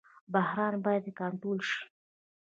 بحران باید کنټرول شي